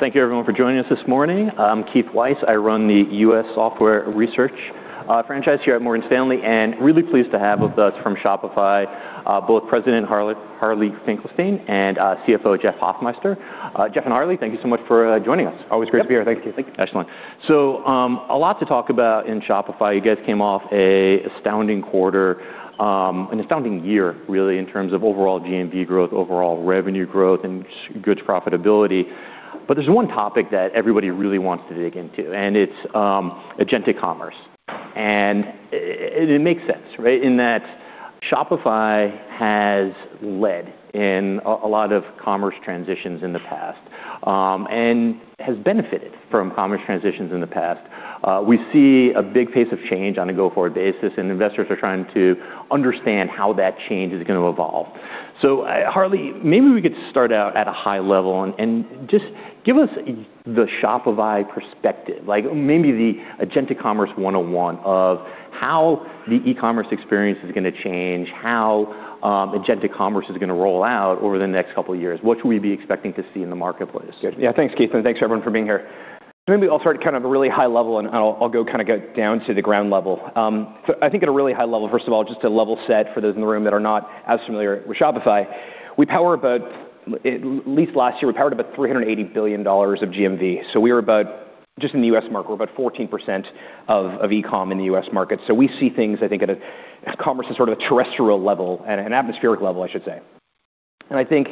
Thank you everyone for joining us this morning. I'm Keith Weiss. I run the U.S. Software Research franchise here at Morgan Stanley, and really pleased to have with us from Shopify, both President Harley Finkelstein and CFO Jeff Hoffmeister. Jeff and Harley, thank you so much for joining us. Always great to be here. Yeah. Thank you. Excellent. A lot to talk about in Shopify. You guys came off an astounding quarter, an astounding year really in terms of overall GMV growth, overall revenue growth, and good profitability. There's one topic that everybody really wants to dig into, and it's Agentic Commerce. It makes sense, right? In that Shopify has led in a lot of commerce transitions in the past, and has benefited from commerce transitions in the past. We see a big pace of change on a go-forward basis, investors are trying to understand how that change is gonna evolve. Harley, maybe we could start out at a high level and just give us the Shopify perspective, like maybe the Agentic Commerce one-on-one of how the e-commerce experience is gonna change, how Agentic Commerce is gonna roll out over the next couple of years. What should we be expecting to see in the marketplace? Yeah. Thanks, Keith, and thanks everyone for being here. Maybe I'll start kinda a really high level, and I'll go kinda get down to the ground level. I think at a really high level, first of all, just to level set for those in the room that are not as familiar with Shopify, we power about, at least last year, we powered about $380 billion of GMV. We're about, just in the U.S. market, we're about 14% of e-com in the U.S. market. We see things, I think commerce is sort of a terrestrial level and an atmospheric level, I should say. I think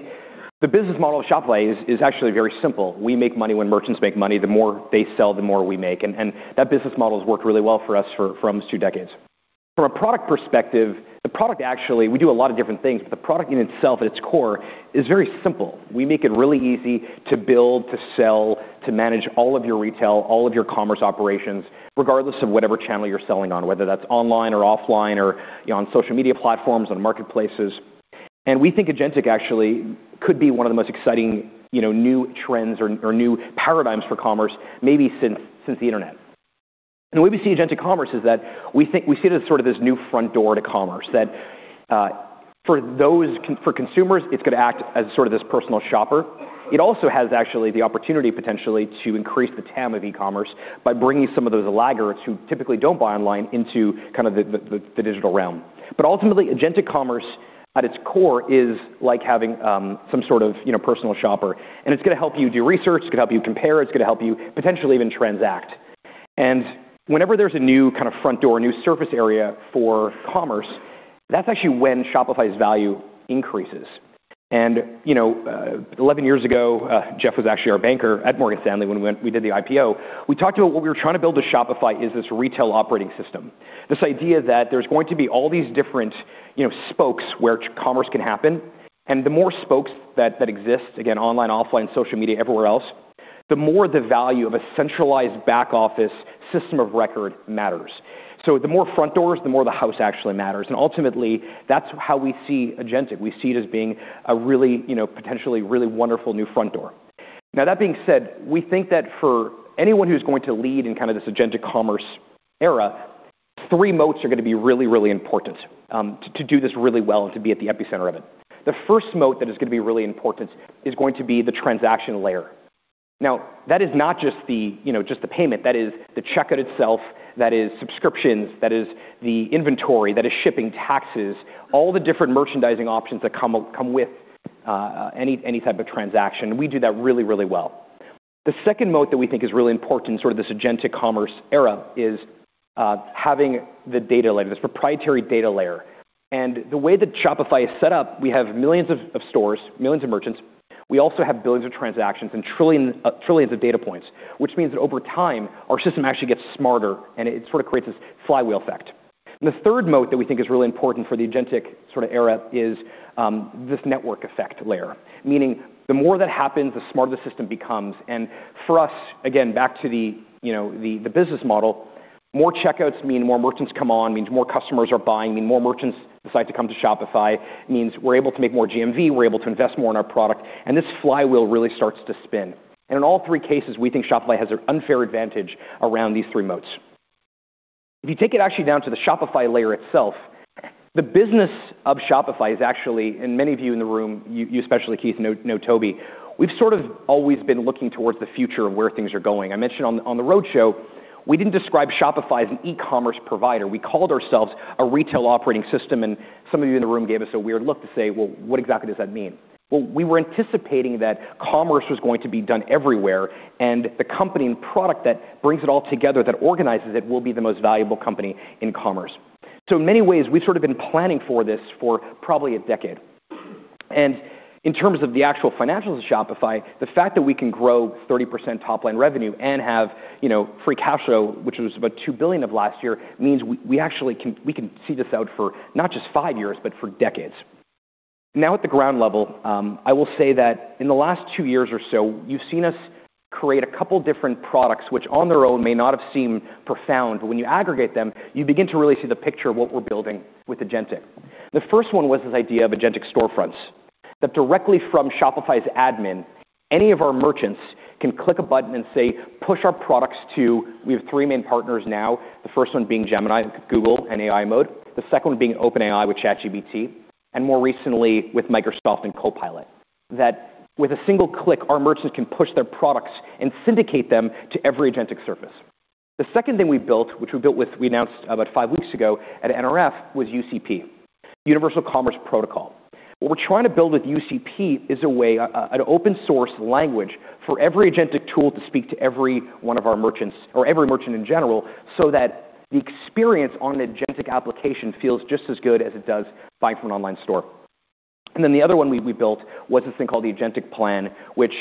the business model of Shopify is actually very simple. We make money when merchants make money. The more they sell, the more we make. That business model has worked really well for us for almost two decades. From a product perspective, the product actually, we do a lot of different things, but the product in itself at its core is very simple. We make it really easy to build, to sell, to manage all of your retail, all of your commerce operations, regardless of whatever channel you're selling on, whether that's online or offline or, you know, on social media platforms, on marketplaces. We think Agentic actually could be one of the most exciting, you know, new trends or new paradigms for commerce maybe since the Internet. The way we see Agentic Commerce is that we think we see it as sort of this new front door to commerce, that for consumers, it's gonna act as sort of this personal shopper. It also has actually the opportunity potentially to increase the TAM of e-commerce by bringing some of those laggards who typically don't buy online into kind of the digital realm. Ultimately, Agentic Commerce at its core is like having, some sort of, you know, personal shopper, and it's gonna help you do research, it's gonna help you compare, it's gonna help you potentially even transact. Whenever there's a new kind of front door, a new surface area for commerce, that's actually when Shopify's value increases. You know, 11 years ago, Jeff was actually our banker at Morgan Stanley when we did the IPO. We talked about what we were trying to build with Shopify is this retail operating system. This idea that there's going to be all these different, you know, spokes where commerce can happen. The more spokes that exist, again, online, offline, social media, everywhere else, the more the value of a centralized back office system of record matters. The more front doors, the more the house actually matters. Ultimately, that's how we see Agentic. We see it as being a really, you know, potentially really wonderful new front door. That being said, we think that for anyone who's going to lead in kind of this Agentic Commerce era, three moats are gonna be really, really important to do this really well and to be at the epicenter of it. The first moat that is gonna be really important is going to be the transaction layer. That is not just the, you know, just the payment. That is the checkout itself, that is subscriptions, that is the inventory, that is shipping taxes, all the different merchandising options that come with any type of transaction. We do that really, really well. The second moat that we think is really important in sort of this Agentic Commerce era is having the data layer, this proprietary data layer. The way that Shopify is set up, we have millions of stores, millions of merchants. We also have billions of transactions and trillions of data points, which means that over time, our system actually gets smarter, and it sort of creates this flywheel effect. The third moat that we think is really important for the Agentic sort of era is this network effect layer. Meaning, the more that happens, the smarter the system becomes. For us, again, back to the, you know, the business model, more checkouts mean more merchants come on, means more customers are buying, mean more merchants decide to come to Shopify. It means we're able to make more GMV, we're able to invest more in our product, and this flywheel really starts to spin. In all three cases, we think Shopify has an unfair advantage around these three moats. If you take it actually down to the Shopify layer itself, the business of Shopify is actually, and many of you in the room, you especially Keith know Toby, we've sort of always been looking towards the future of where things are going. I mentioned on the roadshow, we didn't describe Shopify as an e-commerce provider. We called ourselves a retail operating system. Some of you in the room gave us a weird look to say, "Well, what exactly does that mean?" We were anticipating that commerce was going to be done everywhere, and the company and product that brings it all together, that organizes it, will be the most valuable company in commerce. In many ways, we've sort of been planning for this for probably a decade. In terms of the actual financials of Shopify, the fact that we can grow 30% top-line revenue and have, you know, free cash flow, which was about $2 billion of last year, means we actually can see this out for not just five years, but for decades. Now at the ground level, I will say that in the last two years or so, you've seen us create a couple different products which on their own may not have seemed profound, but when you aggregate them, you begin to really see the picture of what we're building with Agentic. The first one was this idea of Agentic storefronts, that directly from Shopify's admin, any of our merchants can click a button and say, "Push our products to..." We have 3 main partners now. The first one being Gemini, Google, and AI mode. The second one being OpenAI with ChatGPT. More recently with Microsoft and Copilot, that with a single click, our merchants can push their products and syndicate them to every Agentic surface. The second thing we built, we announced about 5 weeks ago at NRF, was UCP, Universal Commerce Protocol. What we're trying to build with UCP is a way, an open source language for every Agentic tool to speak to every one of our merchants or every merchant in general, so that the experience on an Agentic application feels just as good as it does buying from an online store. The other one we built was this thing called the Agentic Plan, which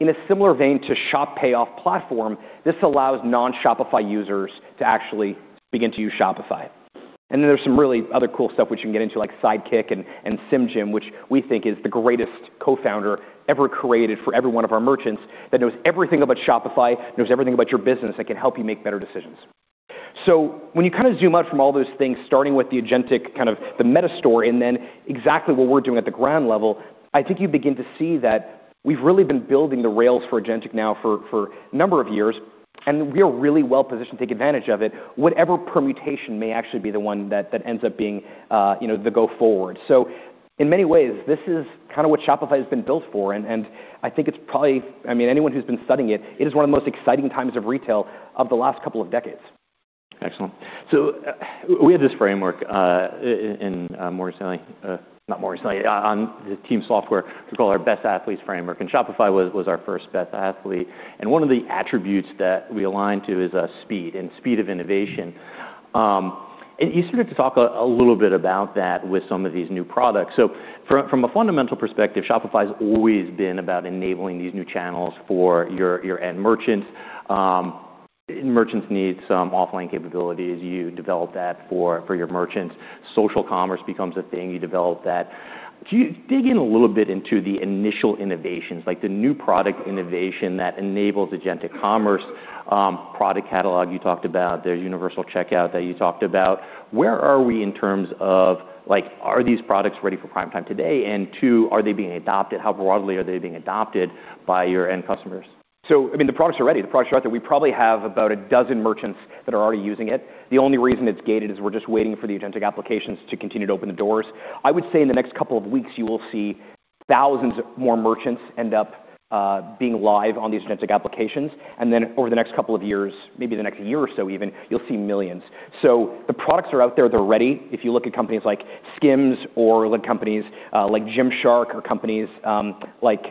in a similar vein to Shop Pay Off Platform, this allows non-Shopify users to actually begin to use Shopify. There's some really other cool stuff which we can get into like Sidekick and SimGym, which we think is the greatest co-founder ever created for every one of our merchants that knows everything about Shopify, knows everything about your business, that can help you make better decisions. When you kind of zoom out from all those things, starting with the Agentic kind of the meta store and then exactly what we're doing at the ground level, I think you begin to see that we've really been building the rails for Agentic now for a number of years, and we are really well-positioned to take advantage of it. Whatever permutation may actually be the one that ends up being, you know, the go forward. In many ways, this is kind of what Shopify has been built for, and I think it's probably. I mean, anyone who's been studying it is one of the most exciting times of retail of the last couple of decades. Excellent. We have this framework, in more recently, not more recently, on the team software we call our best athletes framework, and Shopify was our first best athlete. One of the attributes that we align to is speed and speed of innovation. You sort of talk a little bit about that with some of these new products. From a fundamental perspective, Shopify's always been about enabling these new channels for your end merchants. Merchants need some offline capabilities. You develop that for your merchants. Social commerce becomes a thing. You develop that. Can you dig in a little bit into the initial innovations, like the new product innovation that enables Agentic Commerce, product catalog you talked about, the universal checkout that you talked about? Where are we in terms of like, are these products ready for prime time today? Two, are they being adopted? How broadly are they being adopted by your end customers? I mean, the products are ready. The products are out there. We probably have about a dozen merchants that are already using it. The only reason it's gated is we're just waiting for the Agentic applications to continue to open the doors. I would say in the next couple of weeks, you will see thousands more merchants end up being live on these Agentic applications. Then over the next couple of years, maybe the next year or so even, you'll see millions. The products are out there, they're ready. If you look at companies like SKIMS or look companies like Gymshark or companies like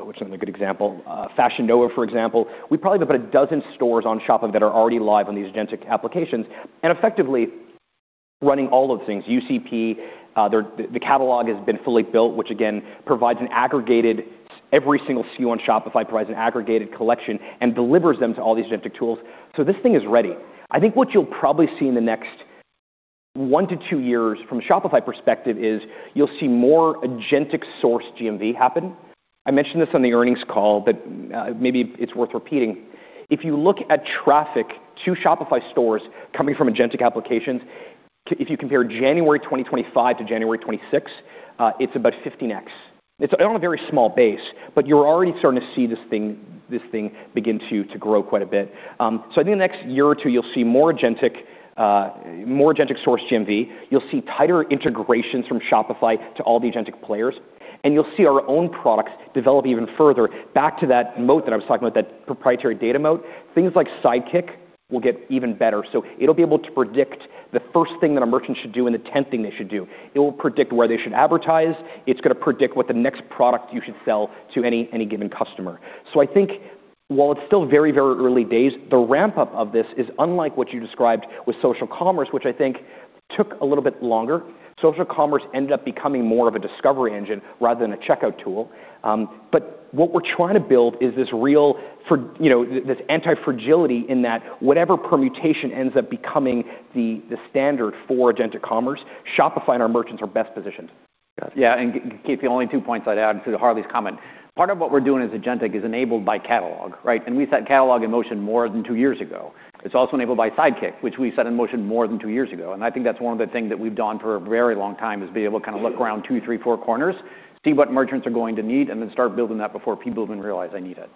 what's another good example? Fashion Nova, for example. We probably have about a dozen stores on Shopify that are already live on these Agentic applications and effectively running all of the things UCP, their. The Shopify Catalog has been fully built, which again, provides an aggregated every single SKU on Shopify, provides an aggregated collection and delivers them to all these Agentic tools. This thing is ready. I think what you'll probably see in the next 1 to 2 years from a Shopify perspective is you'll see more Agentic source GMV happen. I mentioned this on the earnings call, but maybe it's worth repeating. If you look at traffic to Shopify stores coming from Agentic applications, if you compare January 2025 to January 2026, it's about 15x. It's on a very small base, but you're already starting to see this thing begin to grow quite a bit. I think the next year or 2 you'll see more Agentic source GMV. You'll see tighter integrations from Shopify to all the Agentic players. You'll see our own products develop even further back to that moat that I was talking about, that proprietary data moat. Things like Sidekick will get even better. It'll be able to predict the first thing that a merchant should do and the tenth thing they should do. It will predict where they should advertise. It's gonna predict what the next product you should sell to any given customer. I think while it's still very, very early days, the ramp-up of this is unlike what you described with social commerce, which I think took a little bit longer. Social commerce ended up becoming more of a discovery engine rather than a checkout tool. What we're trying to build is this real for, you know, this anti-fragility in that whatever permutation ends up becoming the standard for Agentic Commerce, Shopify and our merchants are best positioned. Got it. Yeah. Keith, the only two points I'd add to Harley's comment, part of what we're doing as Agentic is enabled by catalog, right? We set catalog in motion more than two years ago. It's also enabled by Sidekick, which we set in motion more than two years ago. I think that's one of the things that we've done for a very long time, is be able to kind of look around two, three, four corners, see what merchants are going to need, and then start building that before people even realize they need it.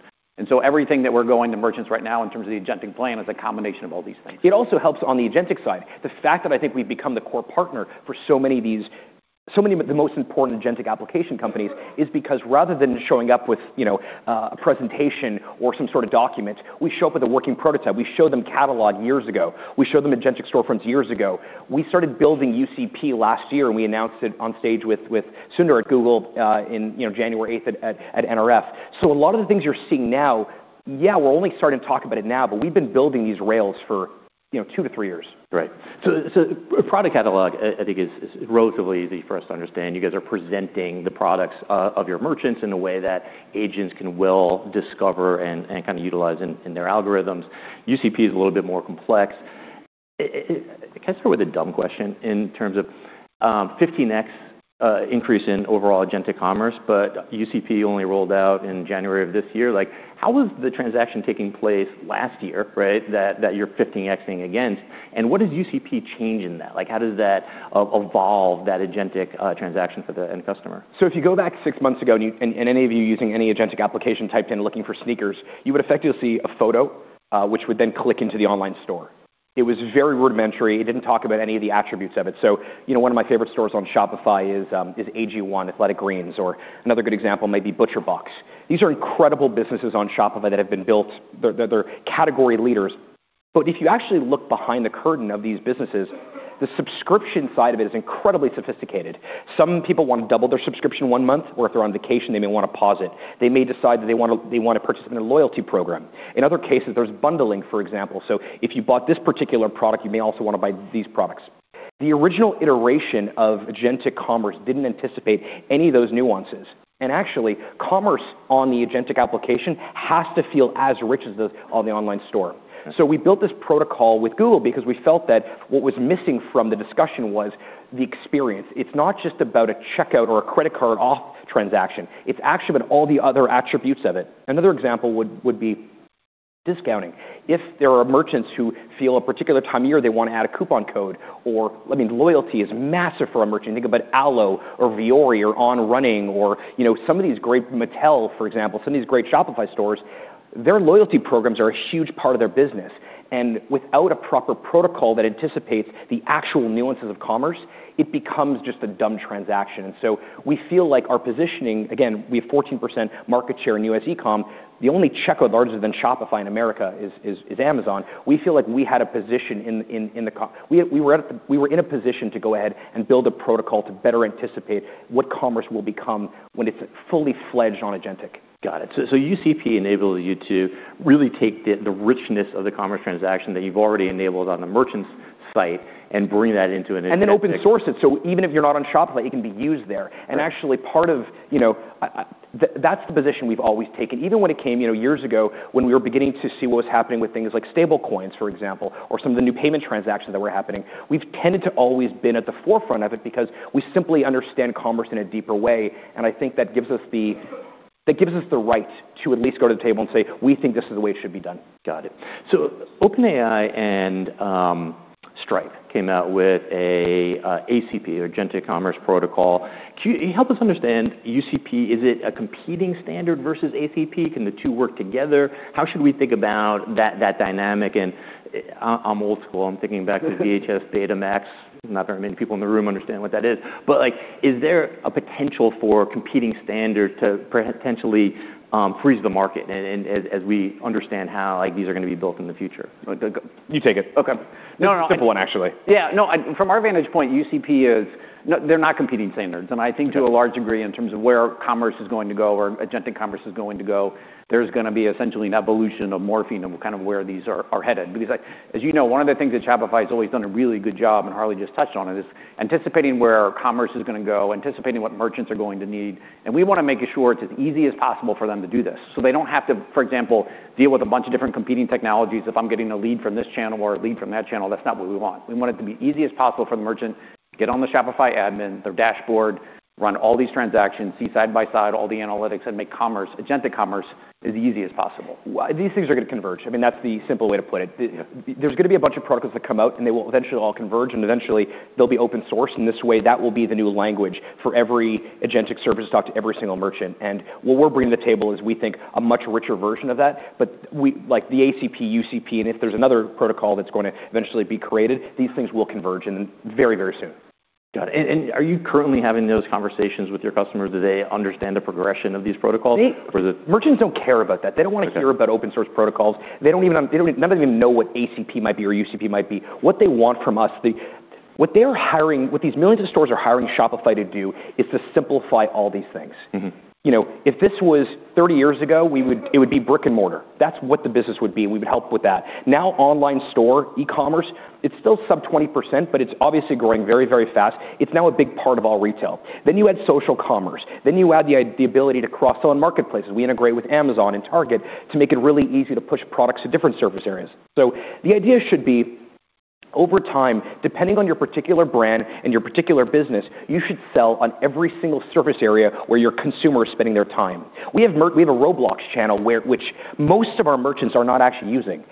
Everything that we're going to merchants right now in terms of the Agentic Plan is a combination of all these things. It also helps on the Agentic side. The fact that I think we've become the core partner for so many of these, so many of the most important Agentic application companies is because rather than showing up with, you know, a presentation or some sort of document, we show up with a working prototype. We showed them Catalog years ago. We showed them Agentic storefronts years ago. We started building UCP last year, and we announced it on stage with Sundar at Google, in, you know, January 8th at NRF. A lot of the things you're seeing now, yeah, we're only starting to talk about it now, but we've been building these rails for, you know, 2 to 3 years. Right. Product catalog I think is relatively easy for us to understand. You guys are presenting the products of your merchants in a way that agents can well discover and kind of utilize in their algorithms. UCP is a little bit more complex. Can I start with a dumb question in terms of 15x increase in overall Agentic Commerce, UCP only rolled out in January of this year. How was the transaction taking place last year, right? That you're 15x-ing against, what does UCP change in that? How does that evolve that Agentic transaction for the end customer? If you go back six months ago and you, and any of you using any Agentic application typed in looking for sneakers, you would effectively see a photo, which would then click into the online store. It was very rudimentary. It didn't talk about any of the attributes of it. You know, one of my favorite stores on Shopify is AG1, Athletic Greens, or another good example may be ButcherBox. These are incredible businesses on Shopify that have been built. They're category leaders. If you actually look behind the curtain of these businesses, the subscription side of it is incredibly sophisticated. Some people wanna double their subscription one month, or if they're on vacation, they may wanna pause it. They may decide that they wanna purchase in a loyalty program. In other cases, there's bundling, for example. If you bought this particular product, you may also wanna buy these products. The original iteration of Agentic Commerce didn't anticipate any of those nuances. Actually, commerce on the Agentic application has to feel as rich as the, on the online store. We built this protocol with Google because we felt that what was missing from the discussion was the experience. It's not just about a checkout or a credit card off transaction. It's actually about all the other attributes of it. Another example would be discounting. If there are merchants who feel a particular time of year they wanna add a coupon code, or, I mean, loyalty is massive for a merchant. Think about Alo or Vuori or On Running or, you know, some of these great Mattel, for example, some of these great Shopify stores, their loyalty programs are a huge part of their business. Without a proper protocol that anticipates the actual nuances of commerce, it becomes just a dumb transaction. We feel like our positioning, again, we have 14% market share in U.S. e-com. The only checkout larger than Shopify in America is Amazon. We feel like we had a position to go ahead and build a protocol to better anticipate what commerce will become when it's fully fledged on Agentic. Got it. UCP enables you to really take the richness of the commerce transaction that you've already enabled on the merchant's site and bring that into an Agentic- Open source it, so even if you're not on Shopify, it can be used there. Right. Actually part of, you know, that's the position we've always taken. Even when it came, you know, years ago, when we were beginning to see what was happening with things like Stablecoins, for example, or some of the new payment transactions that were happening, we've tended to always been at the forefront of it because we simply understand commerce in a deeper way, and I think that gives us the right to at least go to the table and say, "We think this is the way it should be done. Got it. OpenAI and Stripe came out with a ACP or Agentic Commerce Protocol. Can you help us understand UCP? Is it a competing standard versus ACP? Can the two work together? How should we think about that dynamic? I'm old school. I'm thinking back to VHS, Betamax. Not very many people in the room understand what that is. Like, is there a potential for competing standard to potentially freeze the market and as we understand how, like, these are gonna be built in the future? You take it. Okay. No, no. Simple one, actually. Yeah, no, from our vantage point, UCP is, they're not competing standards. I think to a large degree, in terms of where commerce is going to go or Agentic Commerce is going to go, there's gonna be essentially an evolution of morphing of kind of where these are headed. Like, as you know, one of the things that Shopify has always done a really good job, and Harley just touched on it, is anticipating where commerce is gonna go, anticipating what merchants are going to need, and we wanna make sure it's as easy as possible for them to do this, so they don't have to, for example, deal with a bunch of different competing technologies. If I'm getting a lead from this channel or a lead from that channel, that's not what we want. We want it to be easy as possible for the merchant to get on the Shopify admin, their dashboard, run all these transactions, see side by side all the analytics, and make commerce, Agentic Commerce, as easy as possible. These things are gonna converge. I mean, that's the simple way to put it. You know, there's gonna be a bunch of protocols that come out, and they will eventually all converge, and eventually they'll be open source, and this way, that will be the new language for every Agentic service to talk to every single merchant. What we're bringing to the table is we think a much richer version of that. Like the ACP, UCP, and if there's another protocol that's gonna eventually be created, these things will converge and very, very soon. Got it. Are you currently having those conversations with your customers? Do they understand the progression of these protocols? Merchants don't care about that. Okay. They don't wanna hear about open source protocols. They don't even nobody even know what ACP might be or UCP might be. What they want from us, what they're hiring, what these millions of stores are hiring Shopify to do is to simplify all these things. Mm-hmm. You know, if this was 30 years ago, it would be brick and mortar. That's what the business would be, and we would help with that. Now, online store, e-commerce, it's still sub 20%, but it's obviously growing very, very fast. It's now a big part of all retail. You add social commerce. You add the ability to cross-sell in marketplaces. We integrate with Amazon and Target to make it really easy to push products to different surface areas. The idea should be, over time, depending on your particular brand and your particular business, you should sell on every single surface area where your consumer is spending their time. We have a Roblox channel where, which most of our merchants are not actually using.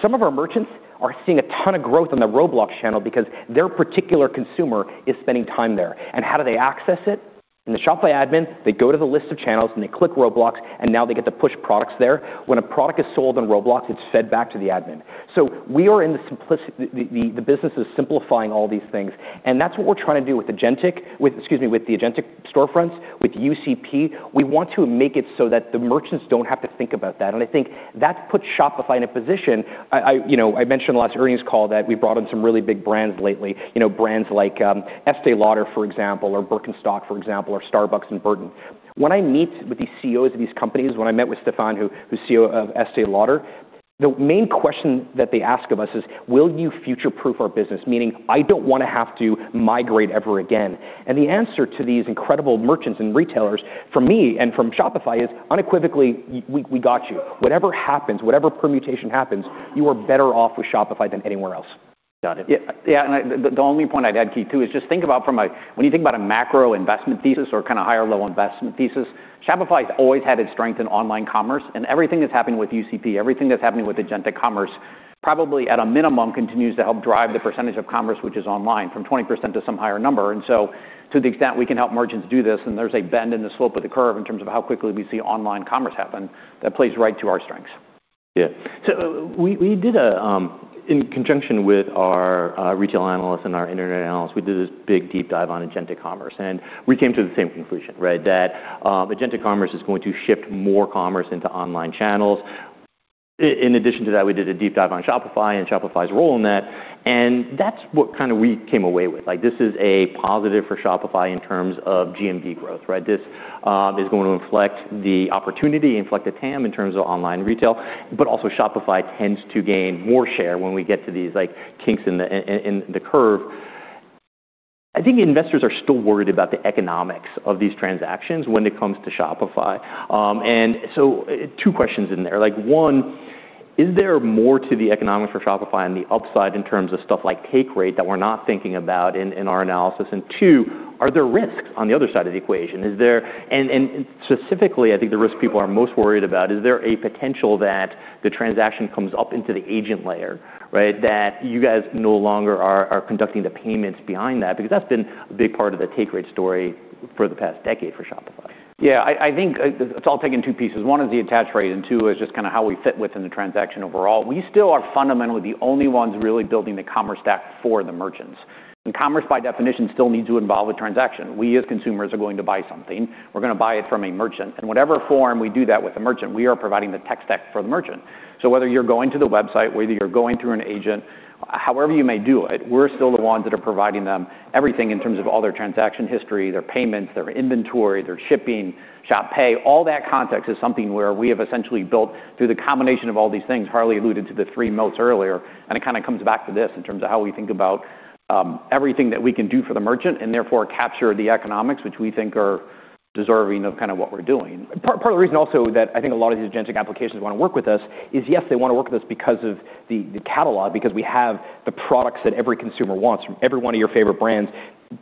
Some of our merchants are seeing a ton of growth on the Roblox channel because their particular consumer is spending time there. How do they access it? In the Shopify admin, they go to the list of channels, they click Roblox, now they get to push products there. When a product is sold on Roblox, it's fed back to the admin. We are in the simplicity. The business is simplifying all these things, and that's what we're trying to do with Agentic, excuse me, with the Agentic storefronts, with UCP. We want to make it so that the merchants don't have to think about that. I think that puts Shopify in a position. I, you know, I mentioned last earnings call that we brought in some really big brands lately, you know, brands like Estée Lauder, for example, or Birkenstock, for example, or Starbucks and Burton. When I meet with these CEOs of these companies, when I met with Stéphane, who's CEO of Estée Lauder, the main question that they ask of us is, "Will you future-proof our business?" Meaning, I don't wanna have to migrate ever again. The answer to these incredible merchants and retailers, from me and from Shopify, is unequivocally, "We got you." Whatever happens, whatever permutation happens, you are better off with Shopify than anywhere else. Got it. The only point I'd add, Keith, too, is just think about from a when you think about a macro investment thesis or kinda higher level investment thesis, Shopify's always had its strength in online commerce, and everything that's happening with UCP, everything that's happening with Agentic Commerce, probably at a minimum continues to help drive the percentage of commerce which is online from 20% to some higher number. To the extent we can help merchants do this, and there's a bend in the slope of the curve in terms of how quickly we see online commerce happen, that plays right to our strengths. Yeah. we did a, in conjunction with our retail analysts and our internet analysts, we did this big deep dive on Agentic commerce, and we came to the same conclusion, right? That Agentic commerce is going to shift more commerce into online channels. In addition to that, we did a deep dive on Shopify and Shopify's role in that, and that's what kind of we came away with. Like, this is a positive for Shopify in terms of GMV growth, right? This is going to inflect the opportunity, inflect the TAM in terms of online retail, but also Shopify tends to gain more share when we get to these, like, kinks in the curve. I think investors are still worried about the economics of these transactions when it comes to Shopify. two questions in there. Like, one, is there more to the economics for Shopify on the upside in terms of stuff like take rate that we're not thinking about in our analysis? 2, are there risks on the other side of the equation? Specifically, I think the risk people are most worried about, is there a potential that the transaction comes up into the agent layer, right? That you guys no longer are conducting the payments behind that, because that's been a big part of the take rate story for the past decade for Shopify. Yeah, I think it's all taken 2 pieces. 1 is the attach rate, and 2 is just kinda how we fit within the transaction overall. We still are fundamentally the only ones really building the commerce stack for the merchants. Commerce, by definition, still needs to involve a transaction. We as consumers are going to buy something. We're gonna buy it from a merchant. In whatever form we do that with the merchant, we are providing the tech stack for the merchant. Whether you're going to the website, whether you're going through an agent, however you may do it, we're still the ones that are providing them everything in terms of all their transaction history, their payments, their inventory, their shipping, Shop Pay. All that context is something where we have essentially built through the combination of all these things. Harley alluded to the three moats earlier. It kind of comes back to this in terms of how we think about everything that we can do for the merchant, and therefore capture the economics, which we think are deserving of kind of what we're doing. Part of the reason also that I think a lot of these Agentic applications wanna work with us is, yes, they wanna work with us because of the catalog, because we have the products that every consumer wants from every one of your favorite brands.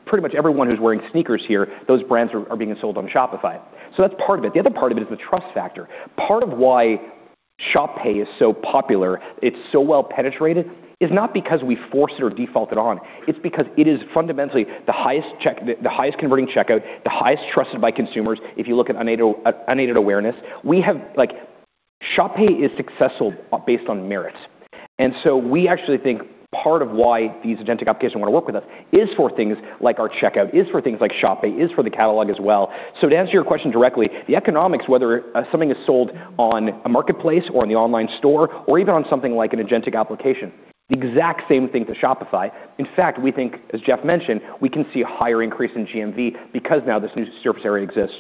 Pretty much everyone who's wearing sneakers here, those brands are being sold on Shopify. That's part of it. The other part of it is the trust factor. Part of why Shop Pay is so popular, it's so well penetrated, is not because we force it or default it on. It's because it is fundamentally the highest converting checkout, the highest trusted by consumers, if you look at unaided awareness. We have, like, Shop Pay is successful based on merit. We actually think part of why these Agentic applications wanna work with us is for things like our checkout, is for things like Shop Pay, is for the catalog as well. To answer your question directly, the economics, whether something is sold on a marketplace or in the online store or even on something like an Agentic application, the exact same thing to Shopify. In fact, we think, as Jeff mentioned, we can see a higher increase in GMV because now this new surface area exists.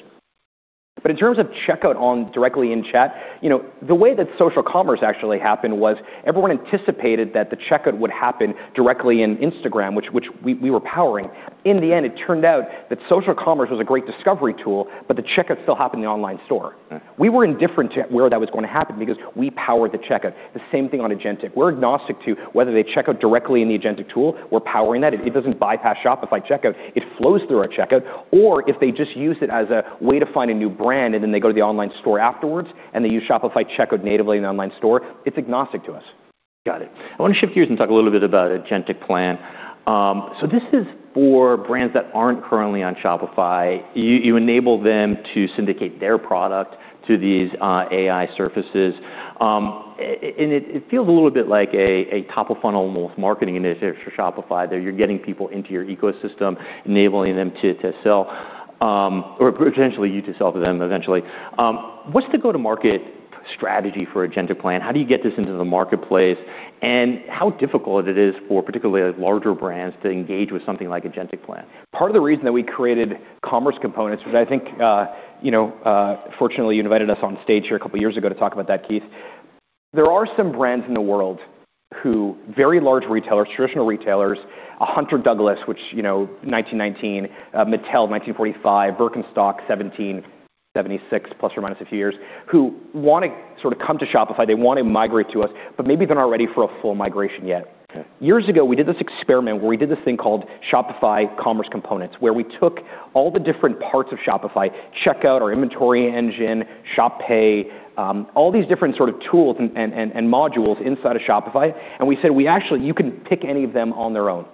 In terms of checkout on directly in chat, you know, the way that social commerce actually happened was everyone anticipated that the checkout would happen directly in Instagram, which we were powering. In the end, it turned out that social commerce was a great discovery tool, but the checkout still happened in the online store. Mm-hmm. We were indifferent to where that was gonna happen because we powered the checkout. The same thing on Agentic. We're agnostic to whether they check out directly in the Agentic tool, we're powering that. It doesn't bypass Shopify checkout. It flows through our checkout. If they just use it as a way to find a new brand, and then they go to the online store afterwards, and they use Shopify checkout natively in the online store, it's agnostic to us. Got it. I wanna shift gears and talk a little bit about Agentic Plan. This is for brands that aren't currently on Shopify. You enable them to syndicate their product to these AI surfaces. It feels a little bit like a top-of-funnel marketing initiative for Shopify, that you're getting people into your ecosystem, enabling them to sell, or potentially you to sell to them eventually. What's the go-to-market strategy for Agentic Plan? How do you get this into the marketplace? How difficult it is for particularly larger brands to engage with something like Agentic Plan. Part of the reason that we created Commerce Components, which I think, you know, fortunately, you invited us on stage here a couple years ago to talk about that, Keith. There are some brands in the world who very large retailers, traditional retailers, a Hunter Douglas, which, you know, 1919, Mattel 1945, Birkenstock 1776, plus or minus a few years, who wanna sort of come to Shopify. They wanna migrate to us, but maybe they're not ready for a full migration yet. Okay. Years ago, we did this experiment where we did this thing called Shopify Commerce Components, where we took all the different parts of Shopify, checkout, our inventory engine, Shop Pay, all these different sort of tools and modules inside of Shopify, and we said, "We actually You can pick any of them on their own."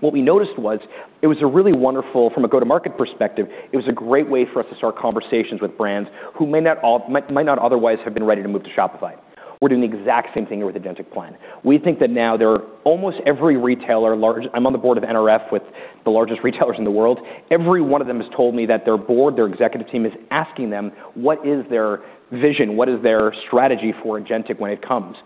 What we noticed was it was a really wonderful, from a go-to-market perspective, it was a great way for us to start conversations with brands who may not otherwise have been ready to move to Shopify. We're doing the exact same thing here with Agentic Plan. We think that now there are almost every retailer large I'm on the board of NRF with the largest retailers in the world. Every one of them has told me that their board, their executive team, is asking them what is their vision, what is their strategy for Agentic when it comes.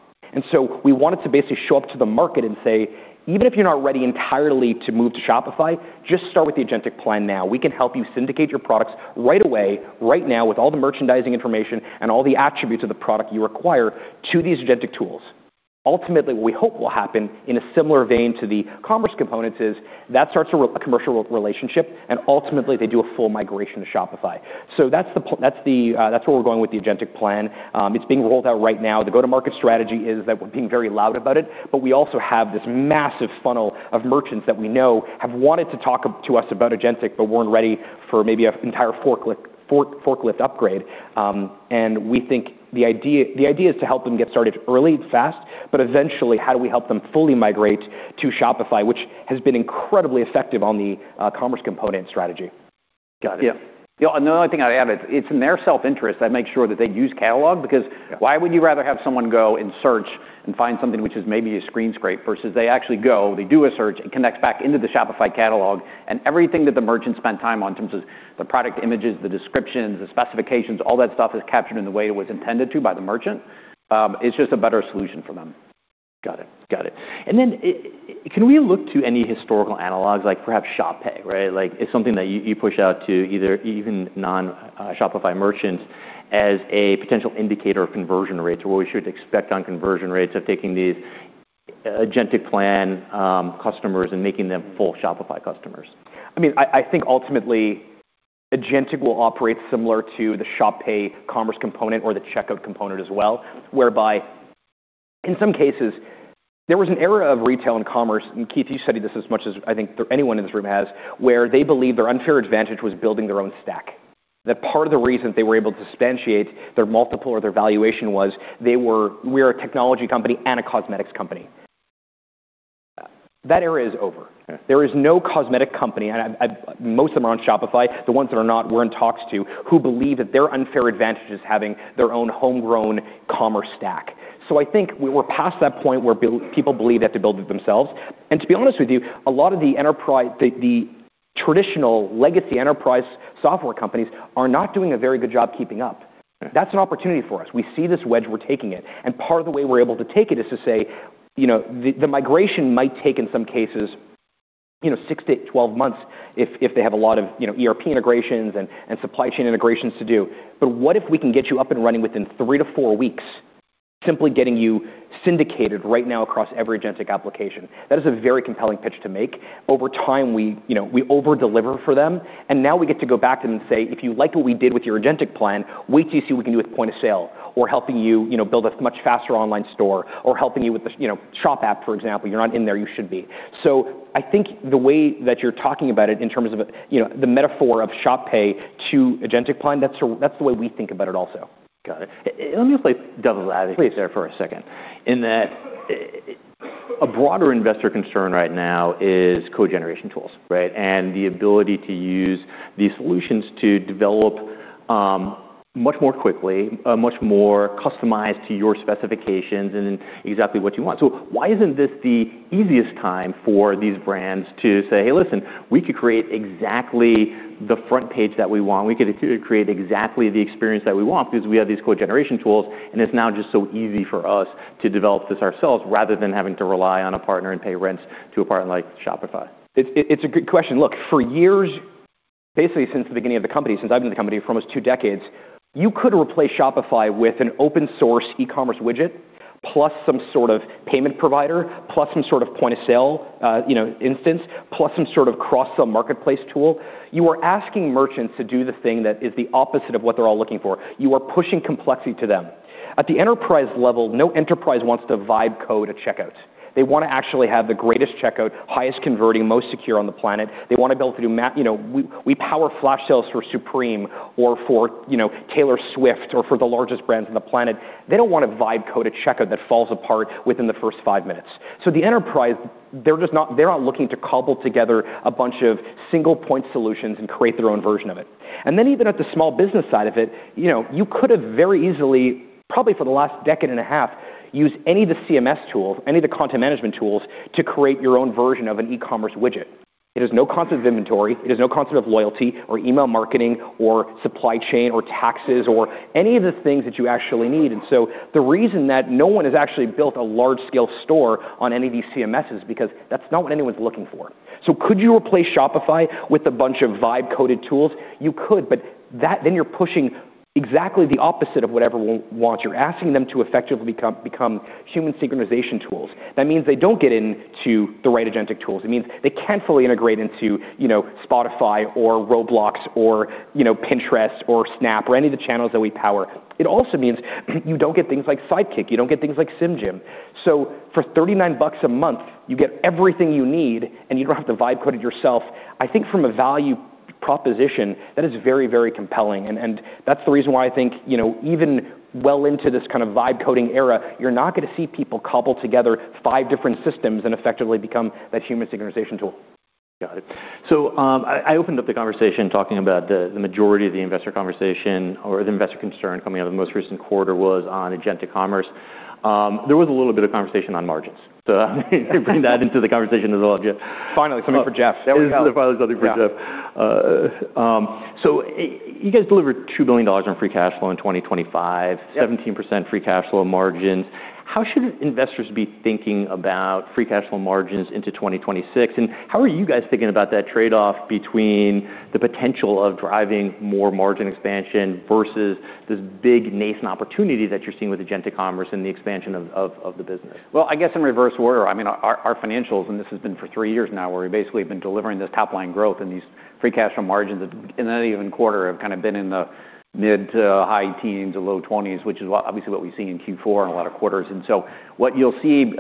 We wanted to basically show up to the market and say, "Even if you're not ready entirely to move to Shopify, just start with the Agentic Plan now. We can help you syndicate your products right away, right now, with all the merchandising information and all the attributes of the product you require to these Agentic tools." Ultimately, what we hope will happen in a similar vein to the Commerce Components is that starts a commercial relationship, and ultimately they do a full migration to Shopify. That's where we're going with the Agentic Plan. It's being rolled out right now. The go-to-market strategy is that we're being very loud about it, but we also have this massive funnel of merchants that we know have wanted to talk to us about agentic but weren't ready for maybe an entire forklift upgrade. We think the idea is to help them get started early and fast, but eventually, how do we help them fully migrate to Shopify, which has been incredibly effective on the commerce component strategy. Got it. The only thing I'd add is it's in their self-interest that make sure that they use Catalog because why would you rather have someone go and search and find something which is maybe a screen scrape versus they actually go, they do a search, it connects back into the Shopify Catalog, and everything that the merchant spent time on in terms of the product images, the descriptions, the specifications, all that stuff is captured in the way it was intended to by the merchant, is just a better solution for them. Got it. Got it. Can we look to any historical analogs, like perhaps Shop Pay, right? Like, it's something that you push out to either even non, Shopify merchants as a potential indicator of conversion rates or what we should expect on conversion rates of taking these Agentic plan, customers and making them full Shopify customers. I mean, I think ultimately Agentic will operate similar to the Shop Pay commerce component or the checkout component as well, whereby in some cases there was an era of retail and commerce, and Keith, you studied this as much as I think anyone in this room has, where they believe their unfair advantage was building their own stack. That part of the reason they were able to differentiate their multiple or their valuation was they were, we're a technology company and a cosmetics company. That era is over. Yeah. There is no cosmetic company, most of them are on Shopify, the ones that are not, we're in talks to, who believe that their unfair advantage is having their own homegrown commerce stack. I think we're past that point where people believe they have to build it themselves. To be honest with you, a lot of the enterprise, the traditional legacy enterprise software companies are not doing a very good job keeping up. Yeah. That's an opportunity for us. We see this wedge, we're taking it. Part of the way we're able to take it is to say, you know, the migration might take in some cases, you know, 6-12 months if they have a lot of, you know, ERP integrations and supply chain integrations to do. What if we can get you up and running within 3-4 weeks, simply getting you syndicated right now across every Agentic application? That is a very compelling pitch to make. Over time, we, you know, over-deliver for them, and now we get to go back to them and say, "If you like what we did with your Agentic Plan, wait till you see what we can do with point-of-sale or helping you know, build a much faster online store or helping you with the, you know, Shop app, for example. You're not in there, you should be." I think the way that you're talking about it in terms of, you know, the metaphor of Shop Pay to Agentic Plan, that's the way we think about it also. Got it. Let me just like double click there for a second. Please. A broader investor concern right now is code generation tools, right? The ability to use these solutions to develop much more quickly, much more customized to your specifications and exactly what you want. Why isn't this the easiest time for these brands to say, "Hey, listen, we could create exactly the front page that we want. We could create exactly the experience that we want because we have these code generation tools, and it's now just so easy for us to develop this ourselves rather than having to rely on a partner and pay rents to a partner like Shopify. It's a good question. Look, for years, basically since the beginning of the company, since I've been at the company for almost two decades, you could replace Shopify with an open source e-commerce widget, plus some sort of payment provider, plus some sort of point-of-sale, you know, instance, plus some sort of cross-sell marketplace tool. You are asking merchants to do the thing that is the opposite of what they're all looking for. You are pushing complexity to them. At the enterprise level, no enterprise wants to vibe code a checkout. They wanna actually have the greatest checkout, highest converting, most secure on the planet. They want to be able to do, you know, we power flash sales for Supreme or for, you know, Taylor Swift or for the largest brands on the planet. They don't want to vibe code a checkout that falls apart within the first 5 minutes. The enterprise, they're just not, they're not looking to cobble together a bunch of single-point solutions and create their own version of it. Even at the small business side of it, you know, you could have very easily, probably for the last decade and a half, used any of the CMS tools, any of the content management tools to create your own version of an e-commerce widget. It has no concept of inventory, it has no concept of loyalty or email marketing or supply chain or taxes or any of the things that you actually need. The reason that no one has actually built a large-scale store on any of these CMSs, because that's not what anyone's looking for. Could you replace Shopify with a bunch of vibe-coded tools? You could, but that then you're pushing exactly the opposite of what everyone wants. You're asking them to effectively become human synchronization tools. They don't get into the right Agentic tools. It means they can't fully integrate into, you know, Spotify or Roblox or, you know, Pinterest or Snap or any of the channels that we power. It also means you don't get things like Sidekick. You don't get things like SimGym. For $39 a month, you get everything you need, and you don't have to vibe code it yourself. I think from a value proposition, that is very, very compelling, and that's the reason why I think, you know, even well into this kind of Vibe coding era, you're not gonna see people cobble together five different systems and effectively become that human synchronization tool. Got it. I opened up the conversation talking about the majority of the investor conversation or the investor concern coming out of the most recent quarter was on Agentic Commerce. There was a little bit of conversation on margins. To bring that into the conversation as well, Jeff. Finally, something for Jeff. There we go. Finally something for Jeff. You guys delivered $2 billion in free cash flow in 2025. Yeah. 17% free cash flow margins. How should investors be thinking about free cash flow margins into 2026? How are you guys thinking about that trade-off between the potential of driving more margin expansion versus this big nascent opportunity that you're seeing with Agentic Commerce and the expansion of the business? Well, I guess in reverse order. I mean, our financials, this has been for 3 years now, where we basically have been delivering this top-line growth and these free cash flow margins in any given quarter have kind of been in the mid-to-high 10s or low 20s, which is obviously what we've seen in Q4 and a lot of quarters. What you'll see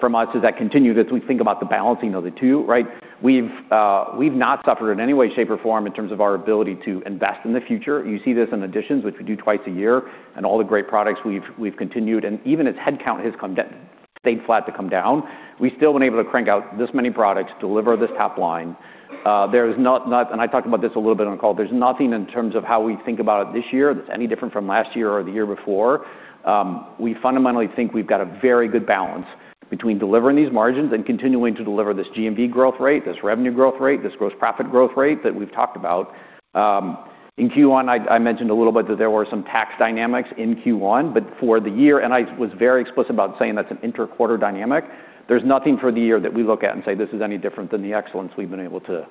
from us as that continues, as we think about the balancing of the two, right? We've not suffered in any way, shape, or form in terms of our ability to invest in the future. You see this in Editions, which we do twice a year, and all the great products we've continued. Even as headcount has come down. Stayed flat to come down. We still been able to crank out this many products, deliver this top line. There is not I talked about this a little bit on call. There's nothing in terms of how we think about it this year that's any different from last year or the year before. We fundamentally think we've got a very good balance between delivering these margins and continuing to deliver this GMV growth rate, this revenue growth rate, this gross profit growth rate that we've talked about. In Q1, I mentioned a little bit that there were some tax dynamics in Q1, but for the year, and I was very explicit about saying that's an inter-quarter dynamic. There's nothing for the year that we look at and say, "This is any different than the excellence we've been able to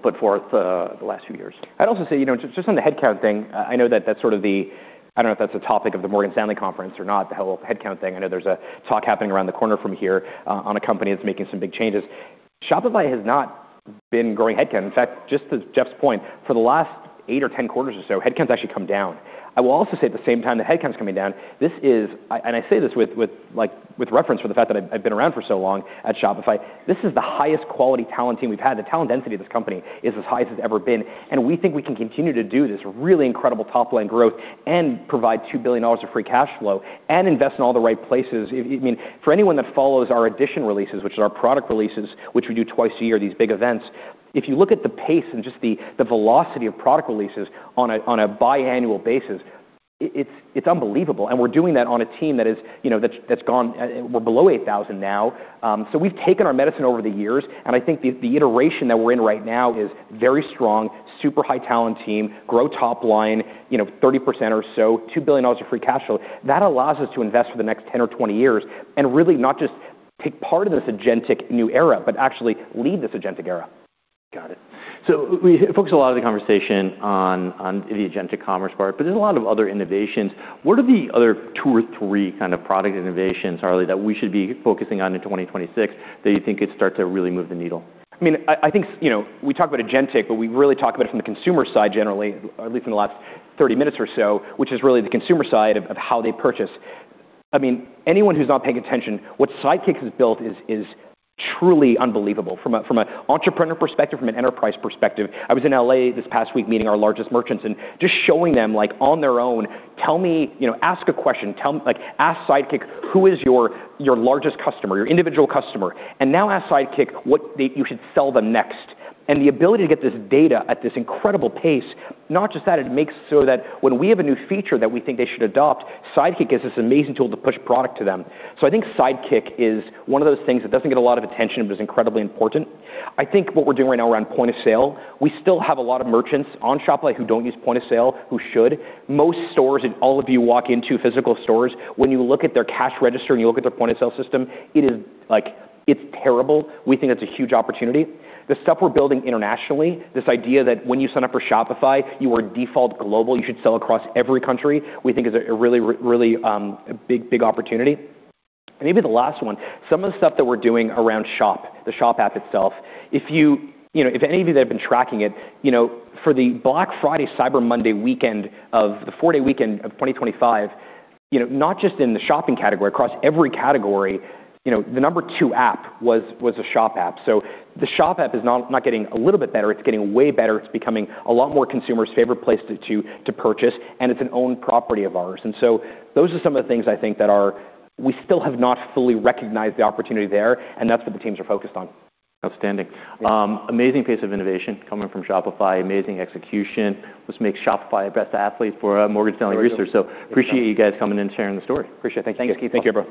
put forth, the last few years. I'd also say, you know, just on the headcount thing, I know that that's sort of the I don't know if that's a topic of the Morgan Stanley conference or not, the whole headcount thing. I know there's a talk happening around the corner from here on a company that's making some big changes. Shopify has not been growing headcount. In fact, just to Jeff's point, for the last 8 or 10 quarters or so, headcount's actually come down. I will also say at the same time the headcount's coming down, this is, and I say this with, like, with reference for the fact that I've been around for so long at Shopify, this is the highest quality talent team we've had. The talent density of this company is as high as it's ever been. We think we can continue to do this really incredible top-line growth and provide $2 billion of free cash flow and invest in all the right places. I mean, for anyone that follows our Editions releases, which is our product releases, which we do twice a year, these big events, if you look at the pace and just the velocity of product releases on a biannual basis, it's unbelievable, and we're doing that on a team that is, you know, that's gone, we're below 8,000 now. We've taken our medicine over the years. I think the iteration that we're in right now is very strong, super high talent team, grow top line, you know, 30% or so, $2 billion of free cash flow. That allows us to invest for the next 10 or 20 years and really not just take part in this Agentic new era, but actually lead this Agentic era. Got it. We focused a lot of the conversation on the Agentic Commerce part, but there's a lot of other innovations. What are the other two or three kind of product innovations, Harley, that we should be focusing on in 2026 that you think could start to really move the needle? I mean, I think, you know, we talk about Agentic, but we really talk about it from the consumer side generally, at least in the last 30 minutes or so, which is really the consumer side of how they purchase. I mean, anyone who's not paying attention, what Sidekick has built is truly unbelievable from an entrepreneur perspective, from an enterprise perspective. I was in L.A. this past week meeting our largest merchants and just showing them, like, on their own, tell me, you know, ask a question. like, ask Sidekick, "Who is your largest customer, your individual customer?" Now ask Sidekick what you should sell them next. The ability to get this data at this incredible pace, not just that, it makes so that when we have a new feature that we think they should adopt, Sidekick is this amazing tool to push product to them. I think Sidekick is one of those things that doesn't get a lot of attention but is incredibly important. I think what we're doing right now around point-of-sale, we still have a lot of merchants on Shopify who don't use point-of-sale who should. Most stores, if all of you walk into physical stores, when you look at their cash register and you look at their point-of-sale system, it is like, it's terrible. We think that's a huge opportunity. The stuff we're building internationally, this idea that when you sign up for Shopify, you are default global, you should sell across every country, we think is a really big opportunity. Maybe the last one, some of the stuff that we're doing around Shop, the Shop app itself. If you know, if any of you that have been tracking it, you know, for the Black Friday/Cyber Monday weekend of the 4-day weekend of 2025, you know, not just in the shopping category, across every category, you know, the number 2 app was a Shop app. The Shop app is not getting a little bit better, it's getting way better. It's becoming a lot more consumers' favorite place to purchase, and it's an owned property of ours. Those are some of the things I think that are, we still have not fully recognized the opportunity there, and that's what the teams are focused on. Outstanding. Amazing pace of innovation coming from Shopify, amazing execution, which makes Shopify a best athlete for Morgan Stanley Research. Appreciate you guys coming in, sharing the story. Appreciate it. Thank you. Thanks, Keith. Okay, bro.